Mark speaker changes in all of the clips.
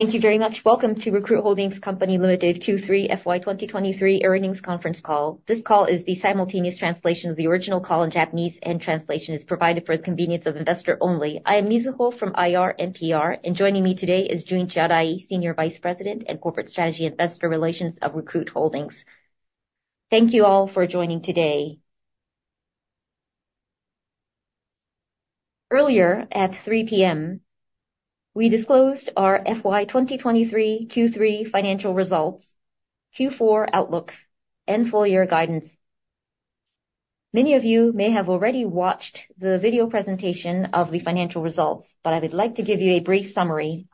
Speaker 1: Thank you very much. Welcome to Recruit Holdings Co., Ltd. Q3 FY 2023 earnings conference call. This call is the simultaneous translation of the original call in Japanese, and translation is provided for the convenience of investors only. I am Mizuho Shen from IR NPR, and joining me today is Junichi Arai, Senior Vice President of Corporate Strategy & Investor Relations of Recruit Holdings.
Speaker 2: Thank you all for joining today. Earlier, at 3 P.M., we disclosed our FY 2023 Q3 financial results, Q4 outlook, and full year guidance. Many of you may have already watched the video presentation of the financial results, but I would like to give you a brief summary.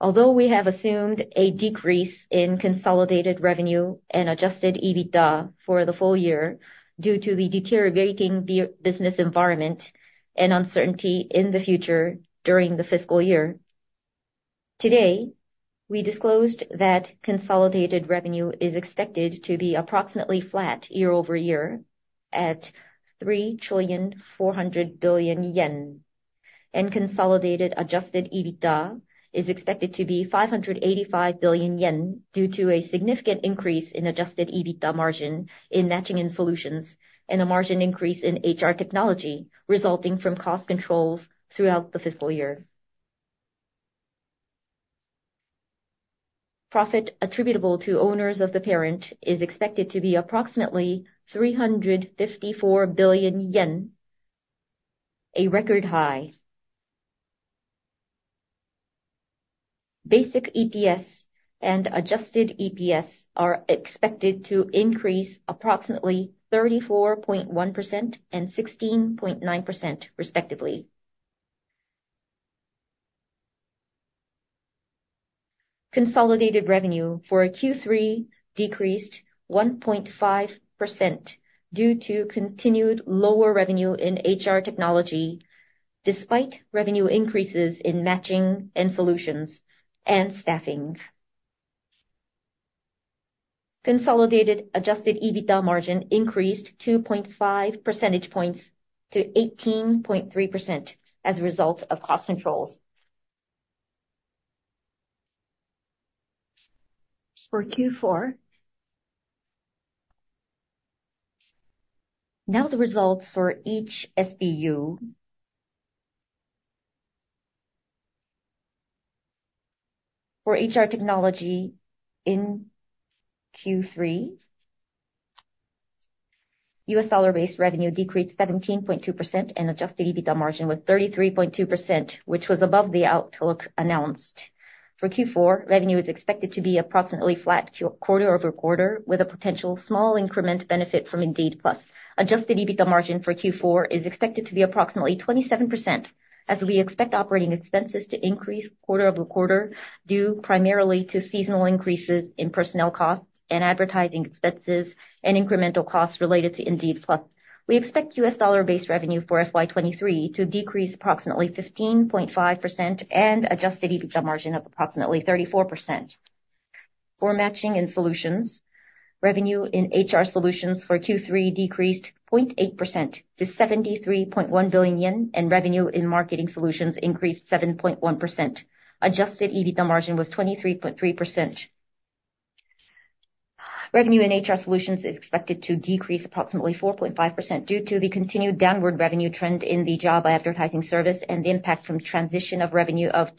Speaker 2: Although we have assumed a decrease in consolidated revenue and adjusted EBITDA for the full year due to the deteriorating business environment and uncertainty in the future during the fiscal year, today, we disclosed that consolidated revenue is expected to be approximately flat year-over-year, at 3.4 trillion. Consolidated adjusted EBITDA is expected to be 585 billion yen, due to a significant increase in adjusted EBITDA margin in Matching & Solutions, and a margin increase in HR Technology, resulting from cost controls throughout the fiscal year. Profit attributable to owners of the parent is expected to be approximately 354 billion yen, a record high. Basic EPS and adjusted EPS are expected to increase approximately 34.1% and 16.9%, respectively. Consolidated revenue for Q3 decreased 1.5% due to continued lower revenue in HR Technology, despite revenue increases in Matching & Solutions and Staffing. Consolidated adjusted EBITDA margin increased 2.5 percentage points to 18.3% as a result of cost controls. For Q4, now the results for each SBU. For HR Technology in Q3, U.S. dollar-based revenue decreased 17.2%, and adjusted EBITDA margin was 33.2%, which was above the outlook announced. For Q4, revenue is expected to be approximately flat quarter-over-quarter, with a potential small increment benefit from Indeed PLUS. Adjusted EBITDA margin for Q4 is expected to be approximately 27%, as we expect operating expenses to increase quarter-over-quarter, due primarily to seasonal increases in personnel costs and advertising expenses, and incremental costs related to Indeed PLUS. We expect U.S. dollar-based revenue for FY 2023 to decrease approximately 15.5%, and Adjusted EBITDA margin of approximately 34%. For Matching & Solutions, revenue in HR Solutions for Q3 decreased 0.8% to 73.1 billion yen, and revenue in Marketing Solutions increased 7.1%. Adjusted EBITDA margin was 23.3%. Revenue in HR Solutions is expected to decrease approximately 4.5%, due to the continued downward revenue trend in the job advertising service and the impact from transition of revenue of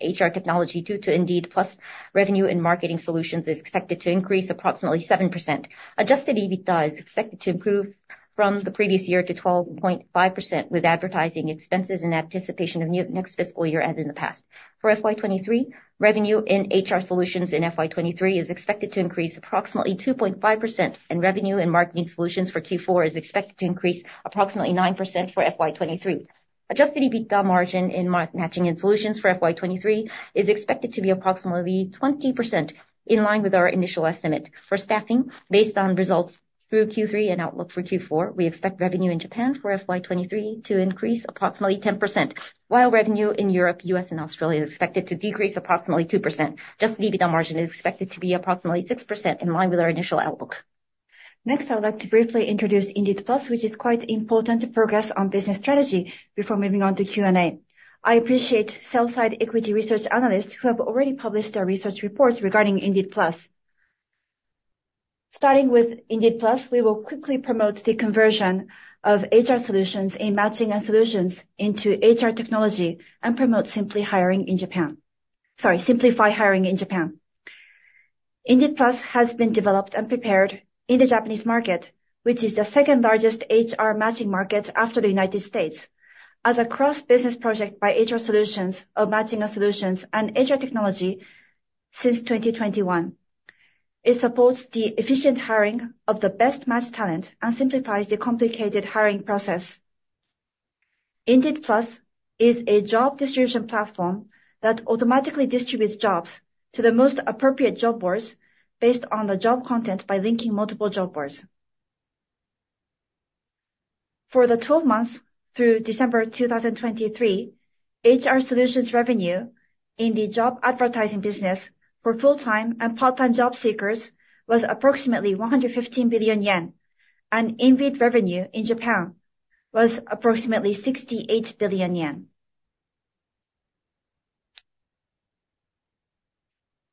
Speaker 2: HR Technology due to Indeed PLUS. Revenue in Marketing Solutions is expected to increase approximately 7%. Adjusted EBITDA is expected to improve from the previous year to 12.5%, with advertising expenses in anticipation of new next fiscal year and in the past. For FY 2023, revenue in HR Solutions in FY 2023 is expected to increase approximately 2.5%, and revenue in Marketing Solutions for Q4 is expected to increase approximately 9% for FY 2023. Adjusted EBITDA margin in Matching & Solutions for FY 2023 is expected to be approximately 20%, in line with our initial estimate. For Staffing, based on results through Q3 and outlook for Q4, we expect revenue in Japan for FY 2023 to increase approximately 10%, while revenue in Europe, U.S., and Australia is expected to decrease approximately 2%. Adjusted EBITDA margin is expected to be approximately 6%, in line with our initial outlook. Next, I would like to briefly introduce Indeed PLUS, which is quite important to progress on business strategy before moving on to Q&A. I appreciate sell-side equity research analysts who have already published their research reports regarding Indeed PLUS. Starting with Indeed PLUS, we will quickly promote the conversion of HR Solutions in Matching & Solutions into HR Technology, and promote simply hiring in Japan. Sorry, simplify hiring in Japan. Indeed PLUS has been developed and prepared in the Japanese market, which is the second largest HR Matching market after the United States, as a cross-business project by HR Solutions or Matching & Solutions and HR Technology since 2021. It supports the efficient hiring of the best-matched talent and simplifies the complicated hiring process. Indeed PLUS is a job distribution platform that automatically distributes jobs to the most appropriate job boards based on the job content by linking multiple job boards. ...For the 12 months through December 2023, HR Solutions revenue in the job advertising business for full-time and part-time job seekers was approximately 115 billion yen, and Indeed revenue in Japan was approximately 68 billion yen.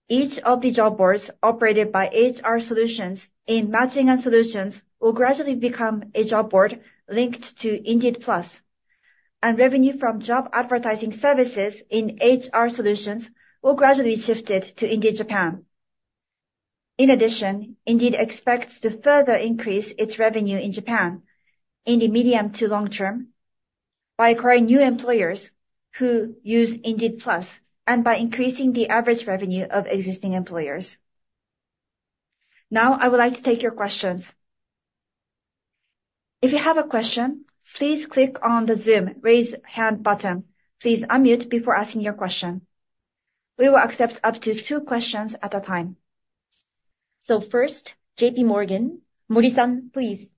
Speaker 2: Each of the job boards operated by HR Solutions in Matching & Solutions will gradually become a job board linked to Indeed PLUS, and revenue from job advertising services in HR Solutions will gradually shifted to Indeed Japan. In addition, Indeed expects to further increase its revenue in Japan in the medium to long term by acquiring new employers who use Indeed PLUS, and by increasing the average revenue of existing employers. Now I would like to take your questions.
Speaker 3: If you have a question, please click on the Zoom Raise Hand button. Please unmute before asking your question. We will accept up to two questions at a time. So first, JPMorgan, Mori-san, please.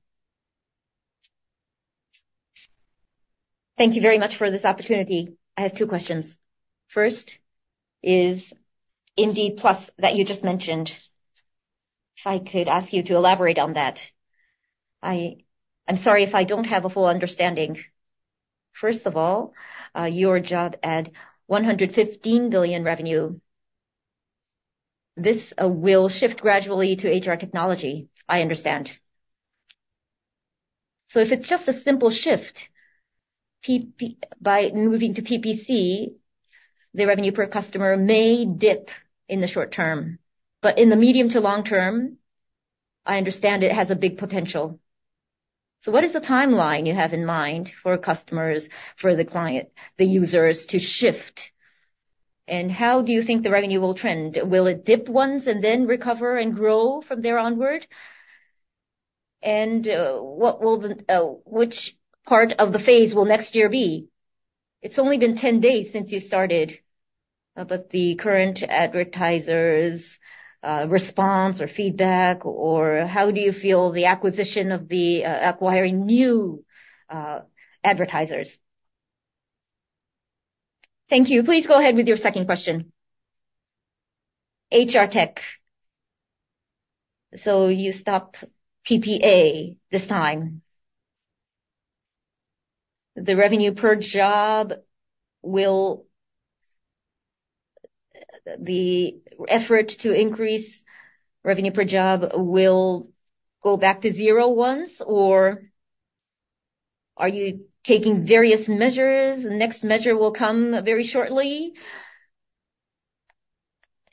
Speaker 4: Thank you very much for this opportunity. I have two questions. First is Indeed PLUS that you just mentioned. If I could ask you to elaborate on that? I'm sorry if I don't have a full understanding. First of all, your job ad 115 billion revenue, this will shift gradually to HR technology, I understand. So if it's just a simple shift, by moving to PPC, the revenue per customer may dip in the short term, but in the medium to long term, I understand it has a big potential. So what is the timeline you have in mind for customers, for the client, the users to shift? And how do you think the revenue will trend? Will it dip once and then recover and grow from there onward? And, what will the, which part of the phase will next year be? It's only been 10 days since you started, but the current advertisers, response or feedback, or how do you feel the acquisition of the, acquiring new, advertisers? Thank you.
Speaker 3: Please go ahead with your second question.
Speaker 4: HR Tech. So you stop PPA this time. The revenue per job will... The effort to increase revenue per job will go back to 0 once, or are you taking various measures? Next measure will come very shortly.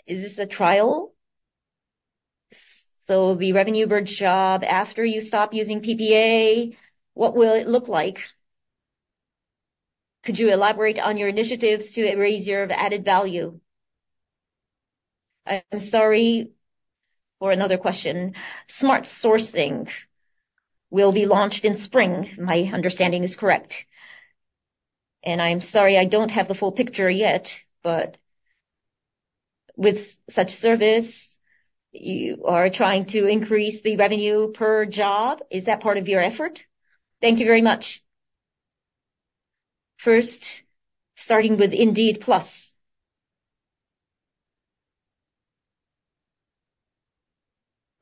Speaker 4: Is this a trial? So the revenue per job after you stop using PPA, what will it look like? Could you elaborate on your initiatives to raise your added value? I'm sorry, for another question. Smart Sourcing will be launched in spring, my understanding is correct, and I'm sorry I don't have the full picture yet, but with such service, you are trying to increase the revenue per job. Is that part of your effort? Thank you very much.
Speaker 2: First, starting with Indeed PLUS.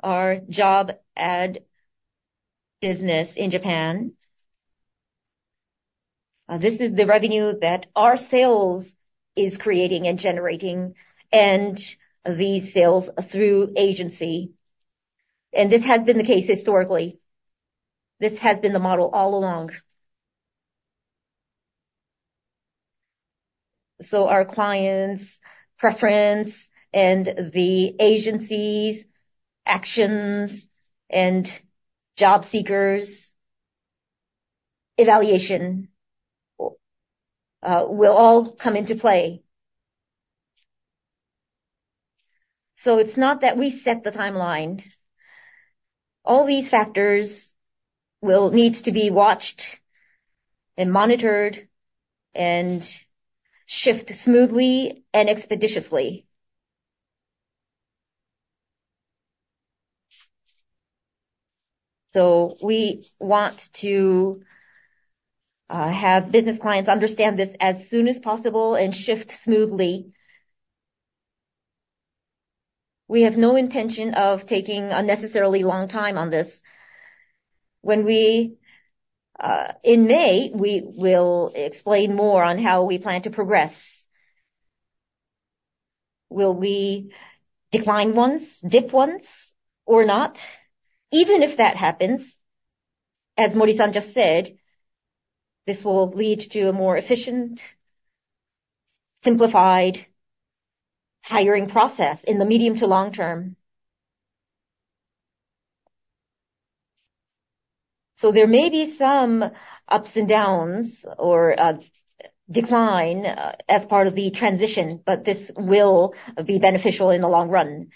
Speaker 2: Our job ad business in Japan, this is the revenue that our sales is creating and generating and the sales through agency, and this has been the case historically. This has been the model all along. So our clients' preference and the agency's actions and job seekers' evaluation will all come into play. So it's not that we set the timeline. All these factors will need to be watched and monitored and shift smoothly and expeditiously. So we want to have business clients understand this as soon as possible and shift smoothly. We have no intention of taking unnecessarily long time on this. When we in May, we will explain more on how we plan to progress. Will we decline once, dip once or not? Even if that happens, as Mori-san just said, this will lead to a more efficient, simplified hiring process in the medium to long term. So there may be some ups and downs or decline as part of the transition, but this will be beneficial in the long run.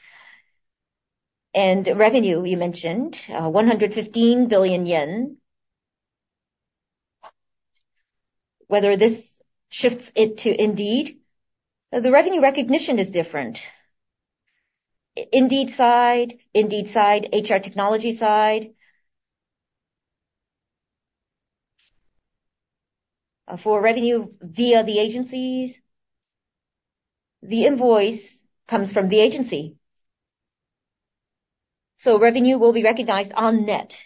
Speaker 2: And revenue, you mentioned, 115 billion yen... whether this shifts it to Indeed? The revenue recognition is different. Indeed side, Indeed side, HR technology side. For revenue via the agencies, the invoice comes from the agency, so revenue will be recognized on net.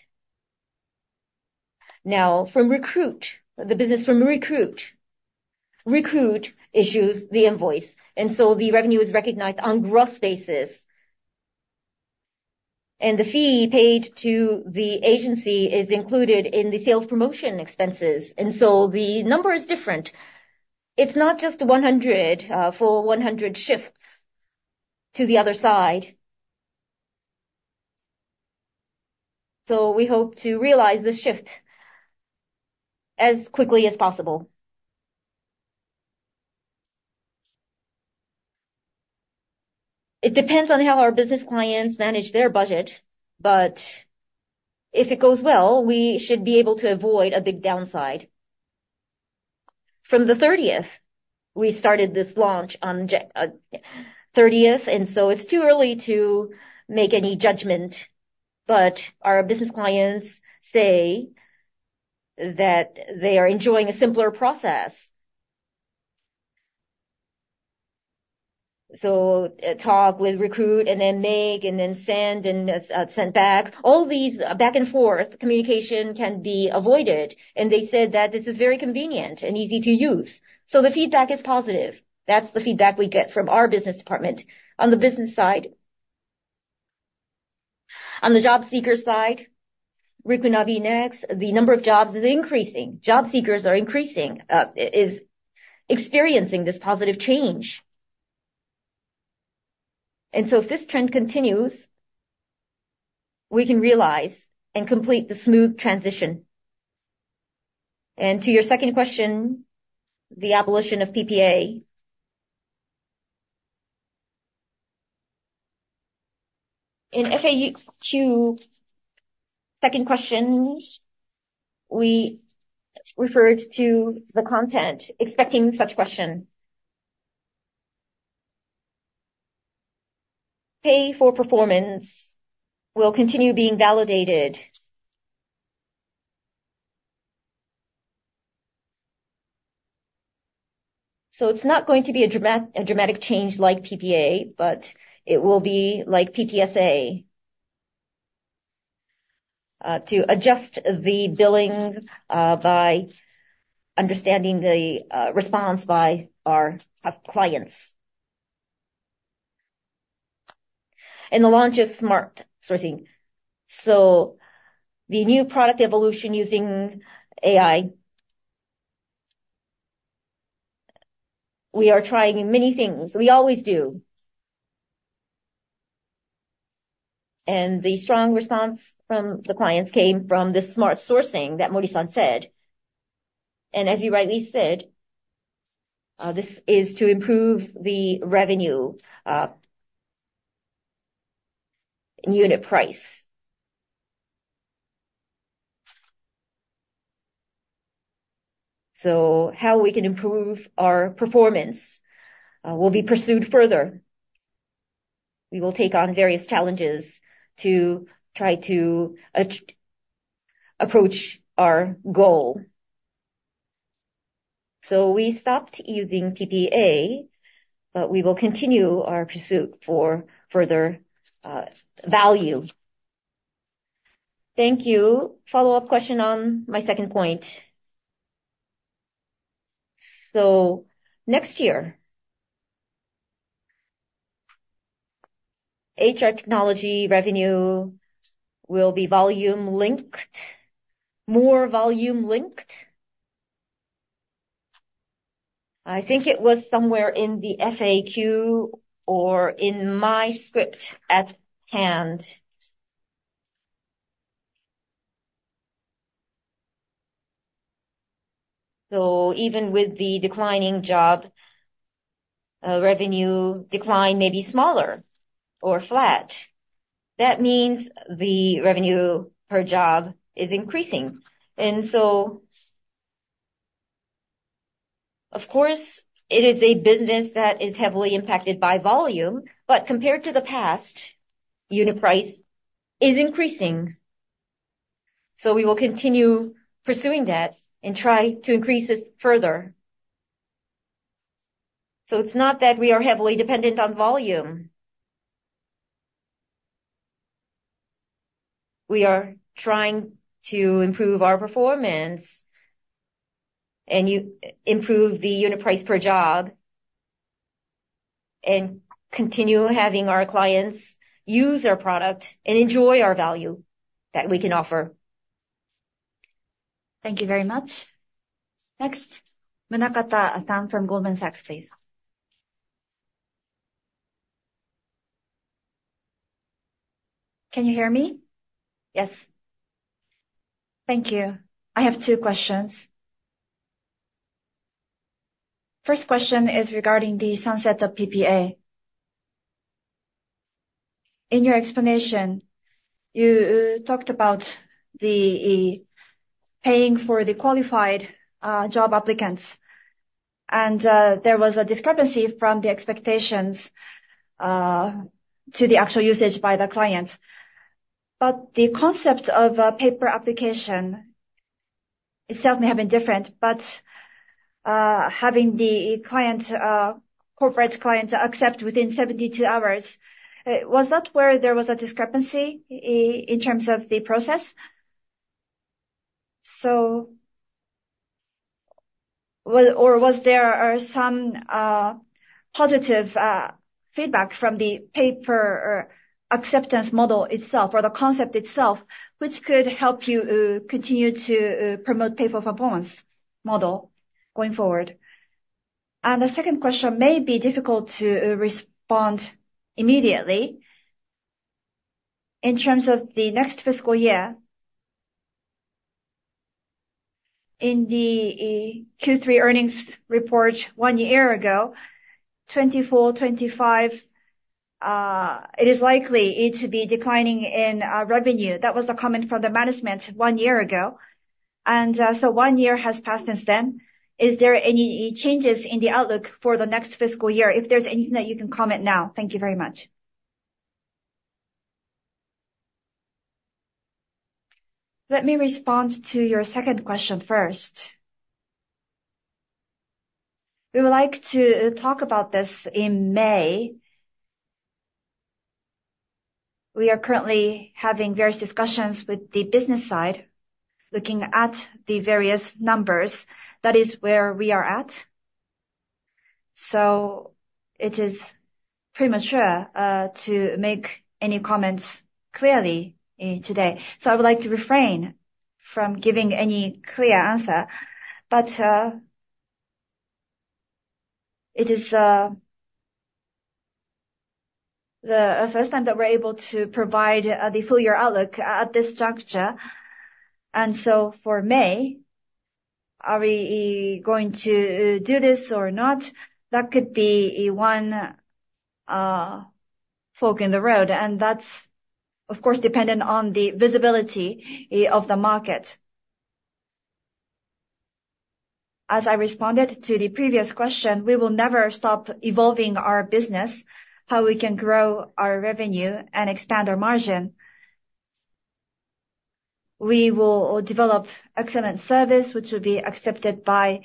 Speaker 2: Now, from Recruit, the business from Recruit, Recruit issues the invoice, and so the revenue is recognized on gross basis. The fee paid to the agency is included in the sales promotion expenses, and so the number is different. It's not just 100, full 100 shifts to the other side. We hope to realize this shift as quickly as possible. It depends on how our business clients manage their budget, but if it goes well, we should be able to avoid a big downside. From the 30th, we started this launch on January 30th, and so it's too early to make any judgment, but our business clients say that they are enjoying a simpler process. So, talk with Recruit and then make, and then send, and sent back, all these back and forth communication can be avoided. They said that this is very convenient and easy to use. So the feedback is positive. That's the feedback we get from our business department on the business side. On the job seeker side, Rikunabi NEXT, the number of jobs is increasing. Job seekers are increasing, is experiencing this positive change. So if this trend continues, we can realize and complete the smooth transition. To your second question, the abolition of PPA. In FAQ, second question, we referred to the content, expecting such question. Pay for performance will continue being validated. So it's not going to be a dramatic change like PPA, but it will be like PPSA, to adjust the billing, by understanding the response by our clients. The launch of Smart Sourcing. So the new product evolution using AI, we are trying many things. We always do. The strong response from the clients came from this Smart Sourcing that Mori-san said. As you rightly said, this is to improve the revenue unit price. So how we can improve our performance will be pursued further. We will take on various challenges to try to approach our goal. So we stopped using PPA, but we will continue our pursuit for further value.
Speaker 4: Thank you. Follow-up question on my second point.
Speaker 2: So next year, HR Technology revenue will be volume linked, more volume linked. I think it was somewhere in the FAQ or in my script at hand. So even with the declining job revenue decline may be smaller or flat. That means the revenue per job is increasing. And so, of course, it is a business that is heavily impacted by volume, but compared to the past, unit price is increasing. So we will continue pursuing that and try to increase this further. So it's not that we are heavily dependent on volume. We are trying to improve our performance, and improve the unit price per job, and continue having our clients use our product and enjoy our value that we can offer.
Speaker 4: Thank you very much.
Speaker 3: Next, Munakata-san from Goldman Sachs, please.
Speaker 5: Can you hear me? Yes. Thank you. I have two questions. First question is regarding the sunset of PPA. In your explanation, you talked about the paying for the qualified job applicants. And there was a discrepancy from the expectations to the actual usage by the clients. But the concept of pay-per-application itself may have been different, but having the client corporate client accept within 72 hours was that where there was a discrepancy in terms of the process? So or was there some positive feedback from the pay-per-application model itself or the concept itself, which could help you continue to promote pay-for-performance model going forward? And the second question may be difficult to respond immediately. In terms of the next fiscal year, in the Q3 earnings report one year ago, 2024-2025, it is likely to be declining in revenue. That was the comment from the management one year ago, and so one year has passed since then. Is there any changes in the outlook for the next fiscal year? If there's anything that you can comment now, thank you very much.
Speaker 2: Let me respond to your second question first. We would like to talk about this in May. We are currently having various discussions with the business side, looking at the various numbers. That is where we are at. So it is premature to make any comments clearly today. So I would like to refrain from giving any clear answer. But it is the first time that we're able to provide the full year outlook at this juncture. And so for May, are we going to do this or not? That could be one fork in the road, and that's of course dependent on the visibility of the market. As I responded to the previous question, we will never stop evolving our business, how we can grow our revenue and expand our margin. We will develop excellent service, which will be accepted by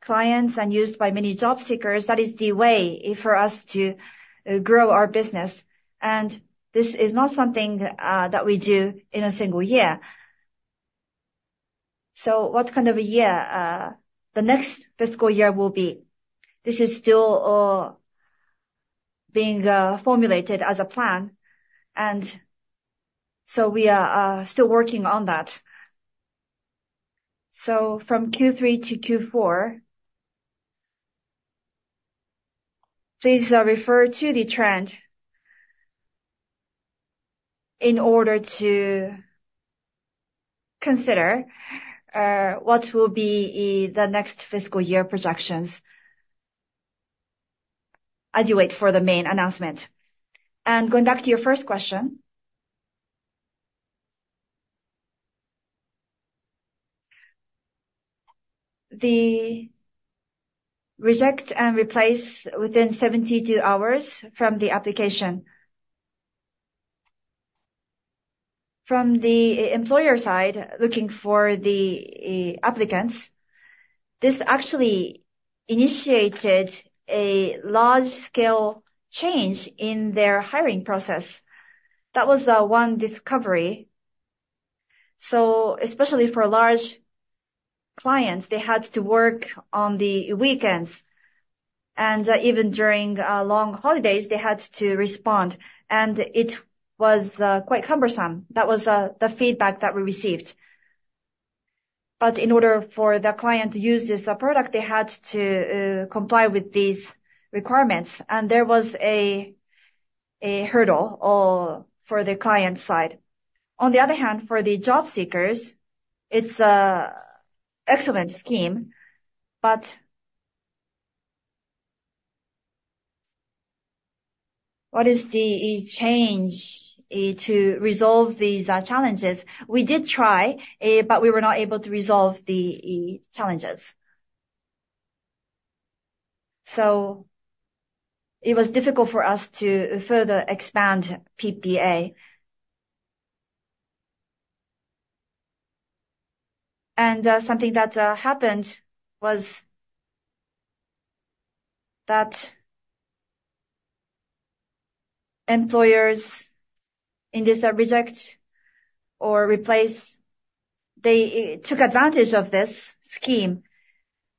Speaker 2: clients and used by many job seekers. That is the way for us to grow our business, and this is not something that we do in a single year. So what kind of a year the next fiscal year will be? This is still being formulated as a plan, and so we are still working on that. So from Q3 to Q4, please refer to the trend in order to consider what will be the next fiscal year projections as you wait for the main announcement. Going back to your first question. The reject and replace within 72 hours from the application. From the employer side, looking for the applicants, this actually initiated a large scale change in their hiring process. That was one discovery. So especially for large clients, they had to work on the weekends, and even during long holidays, they had to respond, and it was quite cumbersome. That was the feedback that we received. In order for the client to use this product, they had to comply with these requirements, and there was a hurdle for the client side. On the other hand, for the job seekers, it's an excellent scheme, but what is the change to resolve these challenges? We did try, but we were not able to resolve the challenges. It was difficult for us to further expand PPA. Something that happened was that employers, in this reject or replace, they took advantage of this scheme,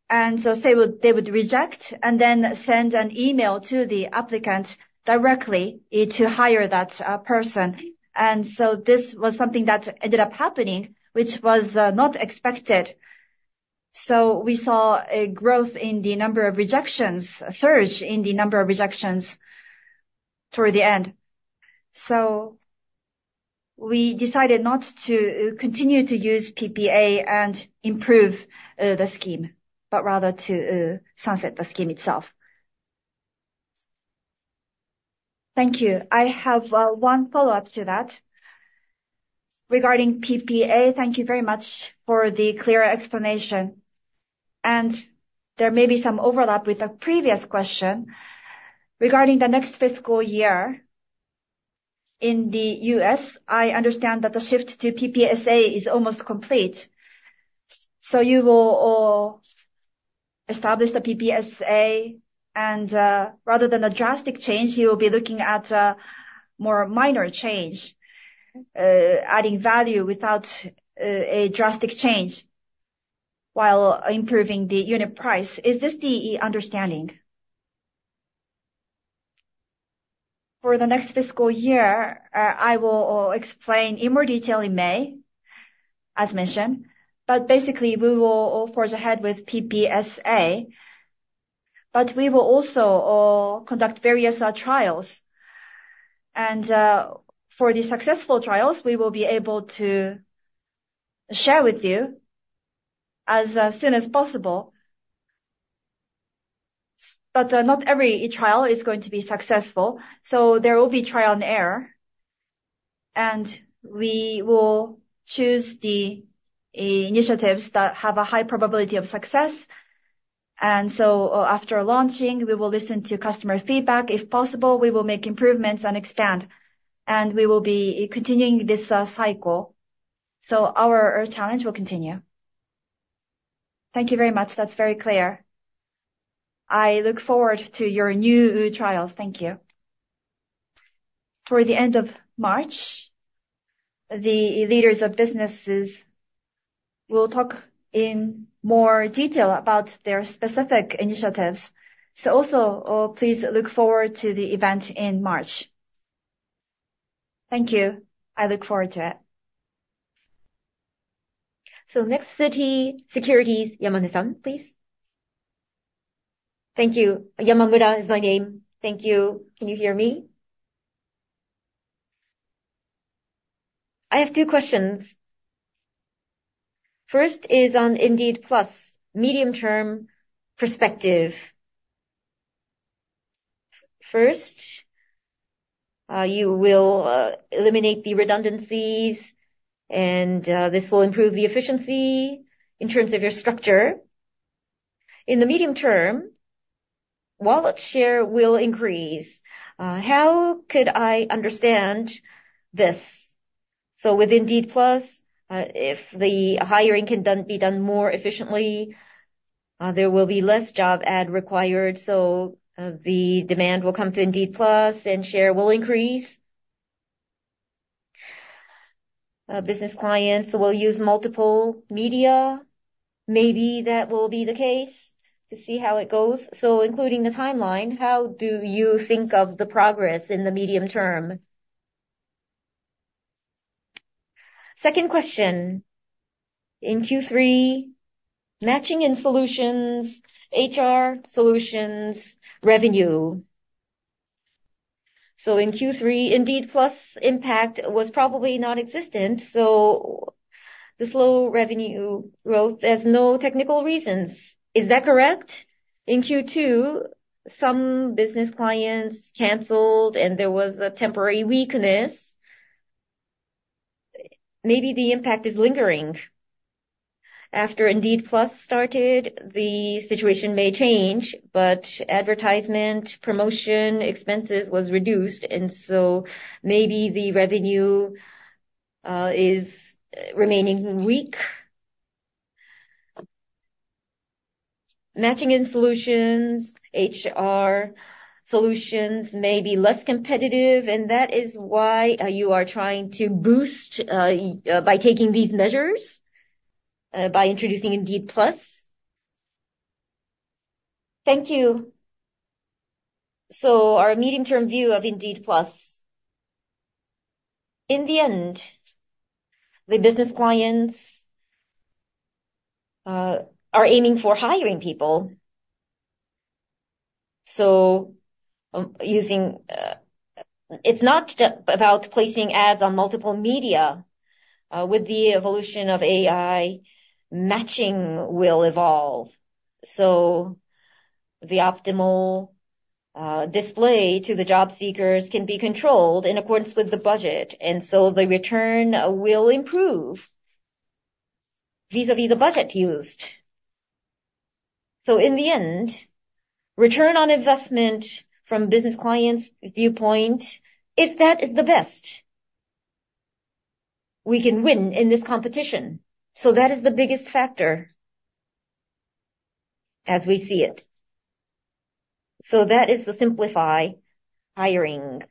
Speaker 2: and so they would reject and then send an email to the applicant directly to hire that person. So this was something that ended up happening, which was not expected. We saw a growth in the number of rejections, a surge in the number of rejections toward the end. We decided not to continue to use PPA and improve the scheme, but rather to sunset the scheme itself.
Speaker 5: Thank you. I have one follow-up to that. Regarding PPA, thank you very much for the clear explanation, and there may be some overlap with the previous question. Regarding the next fiscal year, in the U.S., I understand that the shift to PPSA is almost complete. So you will all establish the PPSA, and rather than a drastic change, you will be looking at a more minor change, adding value without a drastic change, while improving the unit price. Is this the understanding?
Speaker 2: For the next fiscal year, I will explain in more detail in May, as mentioned, but basically, we will forge ahead with PPSA. We will also conduct various trials. For the successful trials, we will be able to share with you as soon as possible. Not every trial is going to be successful, so there will be trial and error. We will choose the initiatives that have a high probability of success. So, after launching, we will listen to customer feedback. If possible, we will make improvements and expand, and we will be continuing this cycle, so our challenge will continue.
Speaker 5: Thank you very much. That's very clear. I look forward to your new trials. Thank you.
Speaker 2: Toward the end of March, the leaders of businesses will talk in more detail about their specific initiatives. So also, please look forward to the event in March.
Speaker 5: Thank you. I look forward to it.
Speaker 3: So next, Citi Securities, Yamamura-san, please.
Speaker 6: Thank you. Yamamura is my name. Thank you. Can you hear me? I have two questions. First is on Indeed PLUS medium-term perspective. First, you will eliminate the redundancies, and this will improve the efficiency in terms of your structure. In the medium term, wallet share will increase. How could I understand this? So with Indeed PLUS, if the hiring can be done more efficiently, there will be less job ad required, so the demand will come to Indeed PLUS, and share will increase. Business clients will use multiple media. Maybe that will be the case, to see how it goes. So including the timeline, how do you think of the progress in the medium term? Second question, in Q3, Matching & Solutions, HR Solutions revenue. So in Q3, Indeed PLUS impact was probably nonexistent, so the slow revenue growth, there's no technical reasons. Is that correct? In Q2, some business clients canceled, and there was a temporary weakness. Maybe the impact is lingering. After Indeed PLUS started, the situation may change, but advertisement, promotion, expenses was reduced, and so maybe the revenue is remaining weak. Matching & Solutions, HR Solutions may be less competitive, and that is why you are trying to boost by taking these measures by introducing Indeed PLUS? Thank you.
Speaker 2: So our medium-term view of Indeed PLUS. In the end, the business clients are aiming for hiring people, so using... It's not just about placing ads on multiple media. With the evolution of AI, matching will evolve. So the optimal display to the job seekers can be controlled in accordance with the budget, and so the return will improve vis-a-vis the budget used. So in the end, return on investment from business clients' viewpoint, if that is the best, we can win in this competition. So that is the biggest factor as we see it. So that is the Simplify Hiring,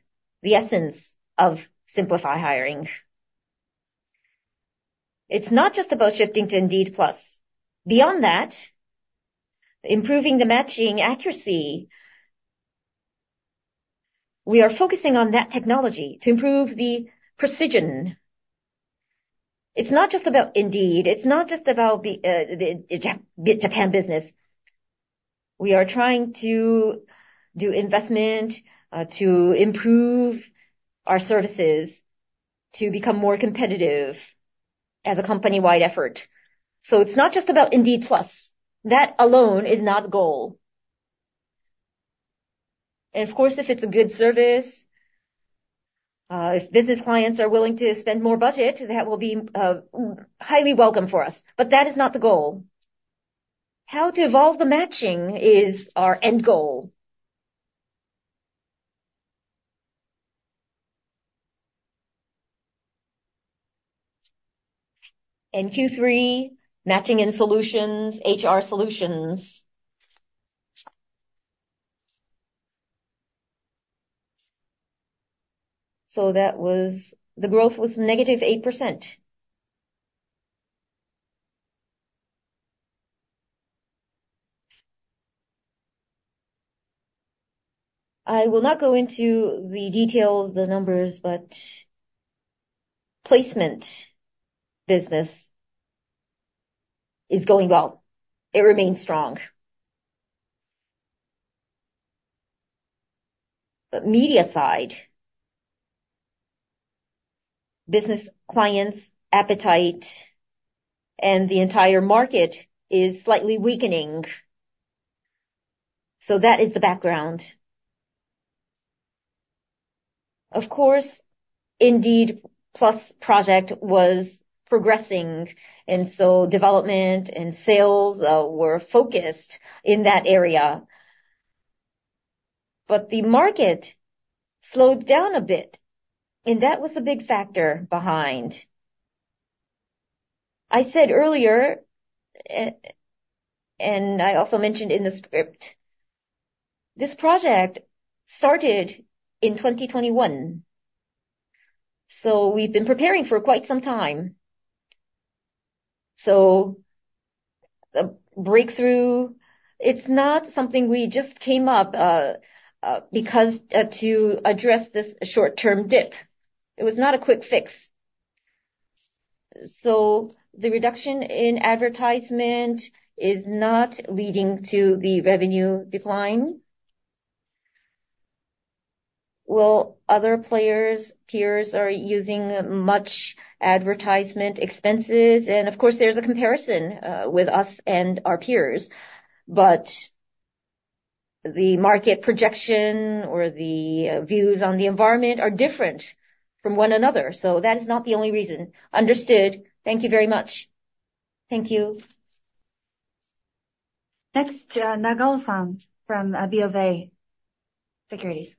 Speaker 2: the essence of Simplify Hiring. It's not just about shifting to Indeed PLUS. Beyond that, improving the matching accuracy, we are focusing on that technology to improve the precision.... It's not just about Indeed, it's not just about the Japan business. We are trying to do investment to improve our services, to become more competitive as a company-wide effort. So it's not just about Indeed PLUS. That alone is not the goal. Of course, if it's a good service, if business clients are willing to spend more budget, that will be highly welcome for us, but that is not the goal. How to evolve the matching is our end goal. In Q3, Matching & Solutions, HR Solutions. So that was, the growth was negative 8%. I will not go into the details, the numbers, but placement business is going well. It remains strong. But media side, business clients' appetite and the entire market is slightly weakening. So that is the background. Of course, Indeed PLUS project was progressing, and so development and sales were focused in that area. But the market slowed down a bit, and that was a big factor behind. I said earlier, and I also mentioned in the script, this project started in 2021, so we've been preparing for quite some time. So the breakthrough, it's not something we just came up, because, to address this short-term dip. It was not a quick fix. So the reduction in advertisement is not leading to the revenue decline. Well, other players, peers, are using much advertisement expenses, and of course, there's a comparison, with us and our peers. But the market projection or the views on the environment are different from one another, so that is not the only reason.
Speaker 6: Understood. Thank you very much.
Speaker 2: Thank you.
Speaker 3: Next, Nagao-san from BofA Securities.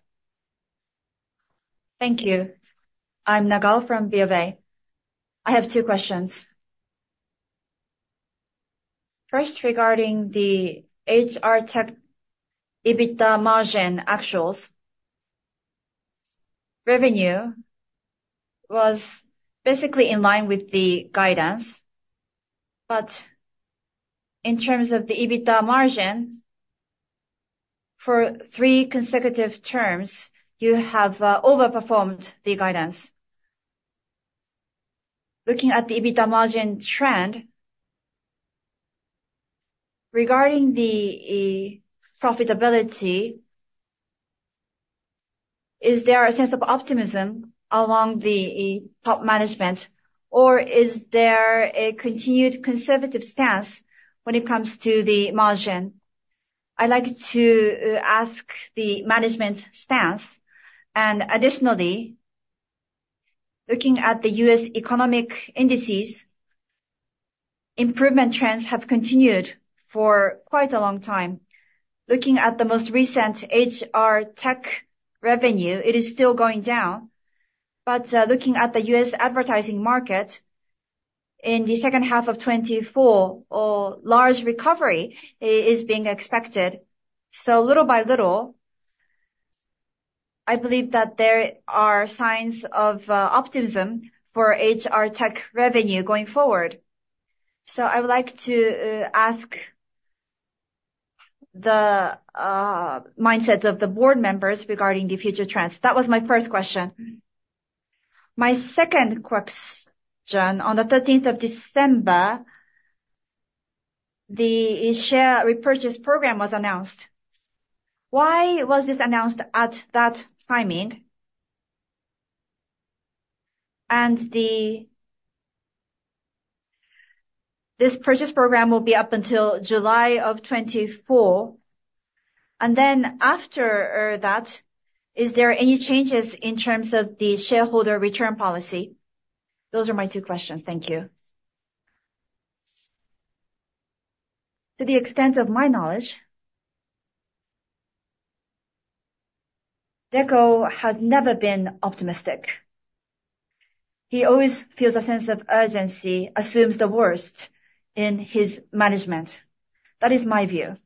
Speaker 7: Thank you. I'm Nagao from BofA. I have two questions. First, regarding the HR tech EBITDA margin actuals, revenue was basically in line with the guidance. But in terms of the EBITDA margin, for three consecutive terms, you have overperformed the guidance. Looking at the EBITDA margin trend, regarding the profitability, is there a sense of optimism among the top management, or is there a continued conservative stance when it comes to the margin? I'd like to ask the management stance. And additionally, looking at the U.S. economic indices, improvement trends have continued for quite a long time. Looking at the most recent HR tech revenue, it is still going down. But looking at the U.S. advertising market, in the second half of 2024, a large recovery is being expected. So little by little, I believe that there are signs of optimism for HR tech revenue going forward. I would like to ask the mindsets of the board members regarding the future trends. That was my first question. My second question, on the thirteenth of December, the share repurchase program was announced. Why was this announced at that timing? This purchase program will be up until July of 2024, and then after that, is there any changes in terms of the shareholder return policy? Those are my two questions. Thank you.
Speaker 2: To the extent of my knowledge, Deko has never been optimistic. He always feels a sense of urgency, assumes the worst in his management. That is my view.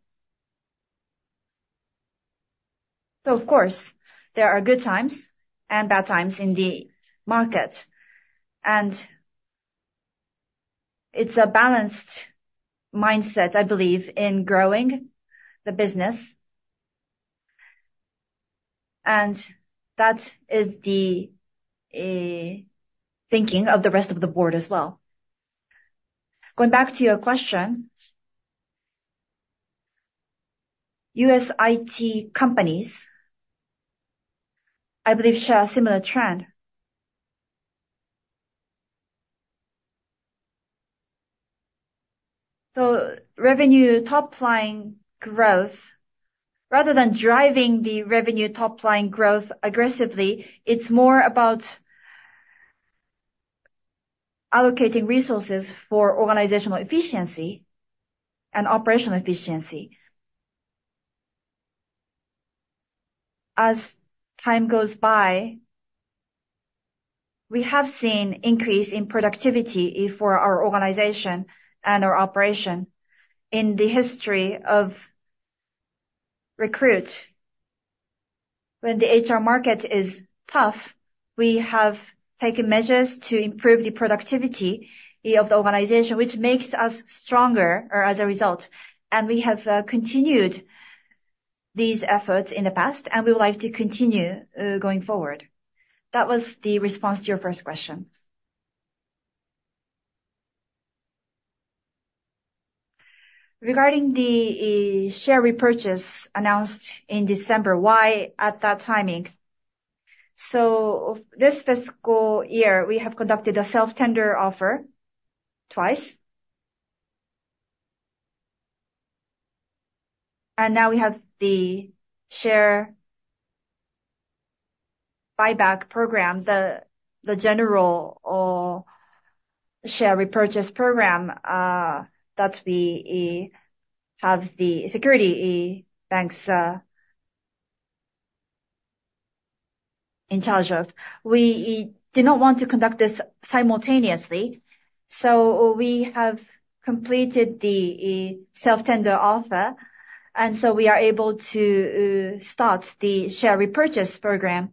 Speaker 2: So of course, there are good times and bad times in the market, and it's a balanced mindset, I believe, in growing the business. And that is the thinking of the rest of the board as well. Going back to your question, U.S. IT companies, I believe, share a similar trend. So revenue top line growth, rather than driving the revenue top line growth aggressively, it's more about allocating resources for organizational efficiency and operational efficiency. As time goes by, we have seen increase in productivity for our organization and our operation. In the history of Recruit, when the HR market is tough, we have taken measures to improve the productivity of the organization, which makes us stronger, or as a result. And we have continued these efforts in the past, and we would like to continue going forward. That was the response to your first question. Regarding the share repurchase announced in December, why at that timing? This fiscal year, we have conducted a self-tender offer twice. Now we have the share buyback program, the general or share repurchase program, that we have the securities banks in charge of. We did not want to conduct this simultaneously, so we have completed the self-tender offer, and so we are able to start the share repurchase program.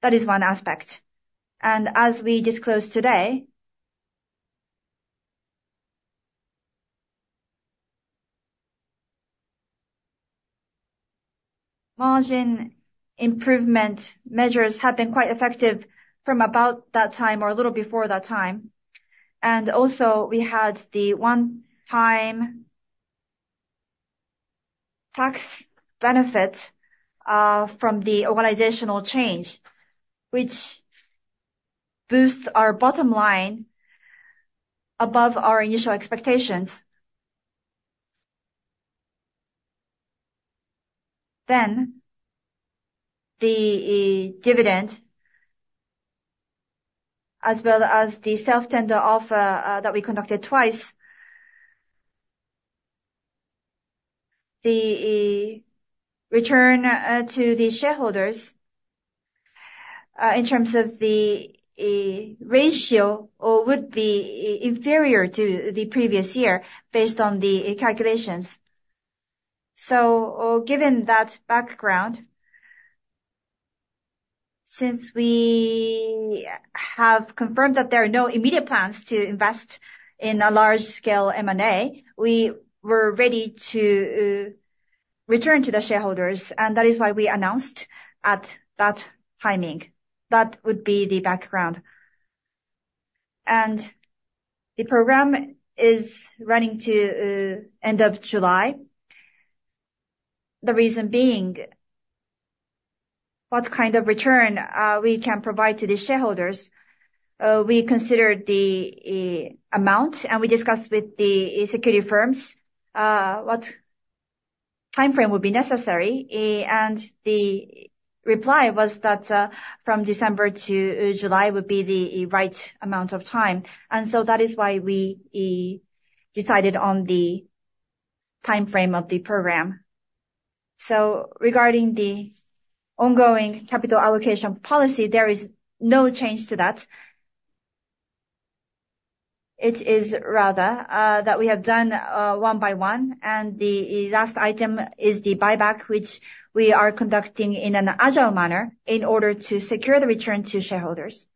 Speaker 2: That is one aspect. As we disclosed today, margin improvement measures have been quite effective from about that time or a little before that time. Also, we had the one-time tax benefit from the organizational change, which boosts our bottom line above our initial expectations. Then the dividend, as well as the self-tender offer, that we conducted twice. The return to the shareholders in terms of the ratio would be inferior to the previous year, based on the calculations. So given that background, since we have confirmed that there are no immediate plans to invest in a large-scale M&A, we were ready to return to the shareholders, and that is why we announced at that timing. That would be the background. And the program is running to end of July. The reason being, what kind of return we can provide to the shareholders? We considered the amount, and we discussed with the securities firms what timeframe would be necessary, and the reply was that from December to July would be the right amount of time, and so that is why we decided on the timeframe of the program. Regarding the ongoing capital allocation policy, there is no change to that. It is rather that we have done one by one, and the last item is the buyback, which we are conducting in an agile manner in order to secure the return to shareholders.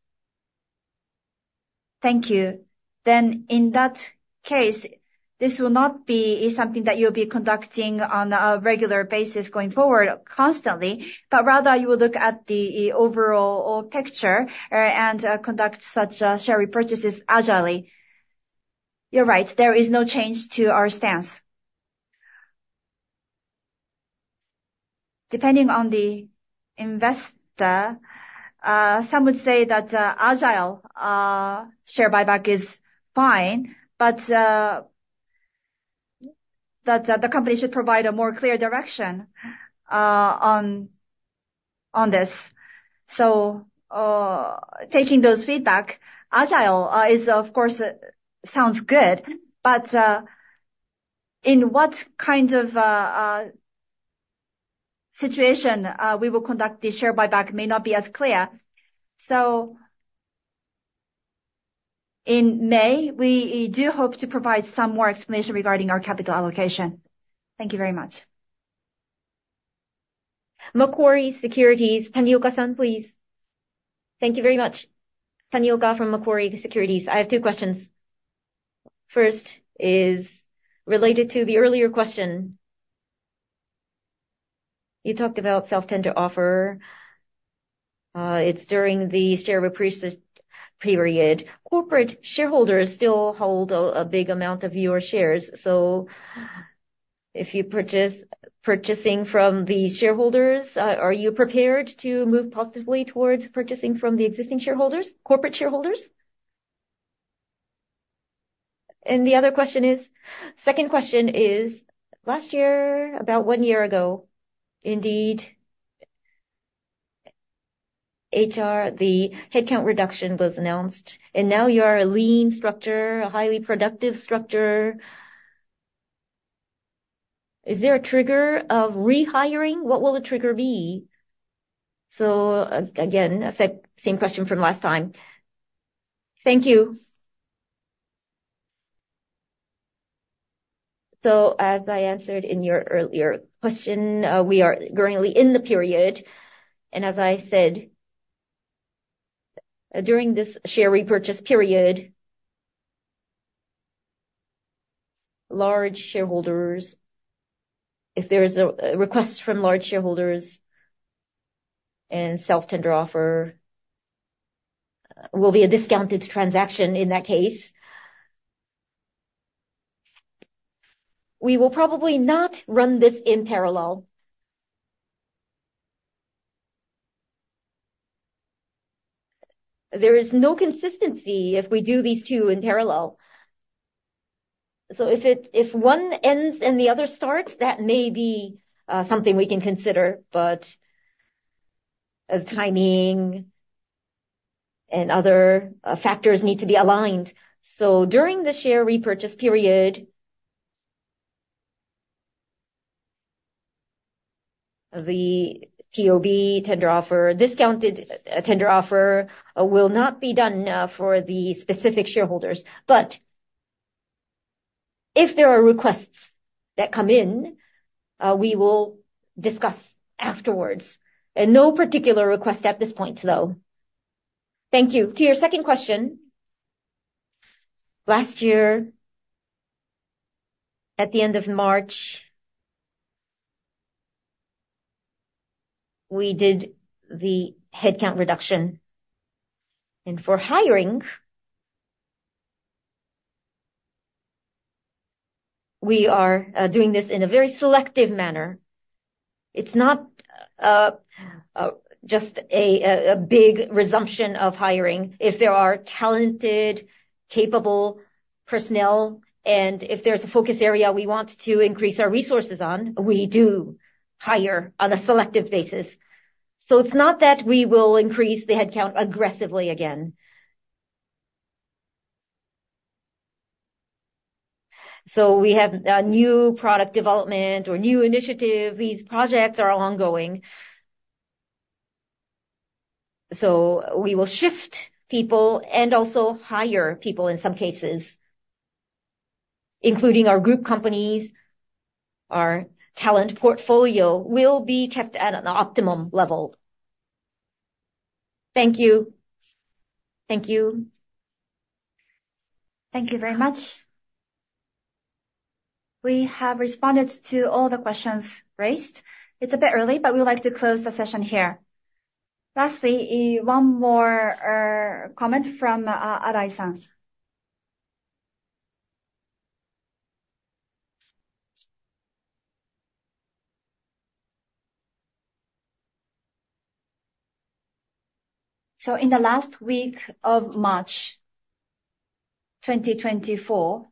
Speaker 7: Thank you. In that case, this will not be something that you'll be conducting on a regular basis going forward constantly, but rather you will look at the overall picture and conduct such share repurchases agilely.
Speaker 2: You're right, there is no change to our stance. Depending on the investor, some would say that agile share buyback is fine, but that the company should provide a more clear direction on this. So, taking those feedback, agile is of course sounds good, but in what kind of situation we will conduct the share buyback may not be as clear. So in May, we do hope to provide some more explanation regarding our capital allocation.
Speaker 7: Thank you very much.
Speaker 3: Macquarie Securities, Tanioka-san, please.
Speaker 8: Thank you very much. Tanioka from Macquarie Securities. I have two questions. First is related to the earlier question. You talked about self-tender offer, it's during the share repurchase period. Corporate shareholders still hold a big amount of your shares, so if you are purchasing from the shareholders, are you prepared to move positively towards purchasing from the existing shareholders, corporate shareholders? And the other question is, second question is, last year, about one year ago, Indeed HR, the headcount reduction was announced, and now you are a lean structure, a highly productive structure. Is there a trigger of rehiring? What will the trigger be? So, again, same question from last time. Thank you.
Speaker 2: So as I answered in your earlier question, we are currently in the period, and as I said, during this share repurchase period, large shareholders, if there is a request from large shareholders and Self-Tender Offer, will be a discounted transaction in that case. We will probably not run this in parallel. There is no consistency if we do these two in parallel. So if one ends and the other starts, that may be something we can consider, but a timing and other factors need to be aligned. So during the share repurchase period, the TOB tender offer, discounted tender offer, will not be done for the specific shareholders. But if there are requests that come in, we will discuss afterwards, and no particular request at this point, though. Thank you. To your second question, last year, at the end of March, we did the headcount reduction. For hiring, we are doing this in a very selective manner. It's not just a big resumption of hiring. If there are talented, capable personnel, and if there's a focus area we want to increase our resources on, we do hire on a selective basis. So it's not that we will increase the headcount aggressively again. We have new product development or new initiative; these projects are ongoing. We will shift people and also hire people in some cases, including our group companies. Our talent portfolio will be kept at an optimum level.
Speaker 8: Thank you.
Speaker 2: Thank you.
Speaker 3: Thank you very much. We have responded to all the questions raised. It's a bit early, but we would like to close the session here. Lastly, one more comment from Arai-san.
Speaker 2: In the last week of March 2024,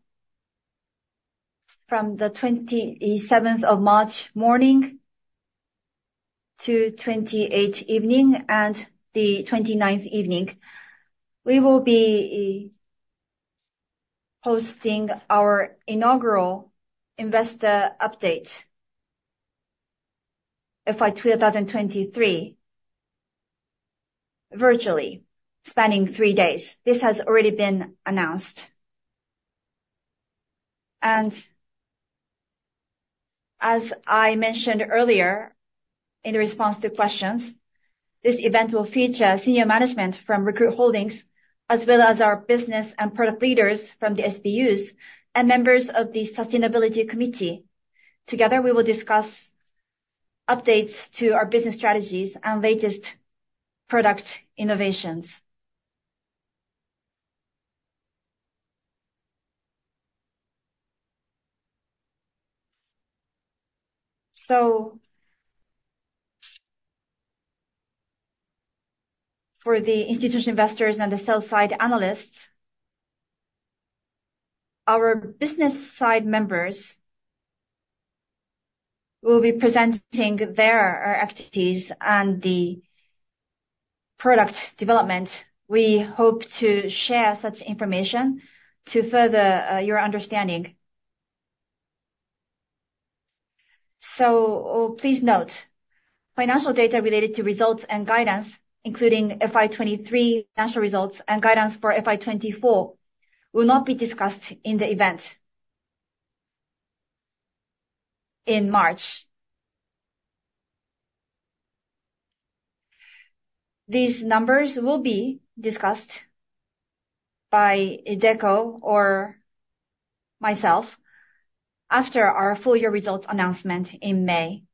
Speaker 2: from the 27th of March morning to 28 evening and the 29th evening, we will be hosting our inaugural investor update, FY 2023, virtually, spanning three days. This has already been announced. As I mentioned earlier, in response to questions, this event will feature senior management from Recruit Holdings, as well as our business and product leaders from the SBUs, and members of the sustainability committee. Together, we will discuss updates to our business strategies and latest product innovations. For the institutional investors and the sell-side analysts, our business side members will be presenting their activities and the product development. We hope to share such information to further your understanding. Please note, financial data related to results and guidance, including FY 2023 financial results and guidance for FY 2024, will not be discussed in the event in March. These numbers will be discussed by Deko or myself after our full year results announcement in May.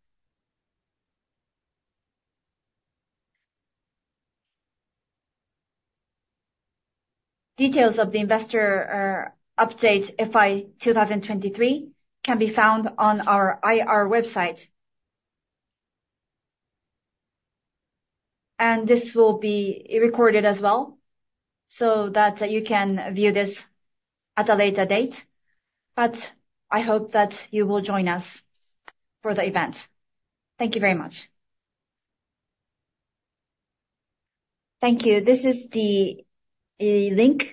Speaker 2: Details of the investor update FY 2023 can be found on our IR website. This will be recorded as well, so that you can view this at a later date. I hope that you will join us for the event. Thank you very much.
Speaker 3: Thank you. This is the link-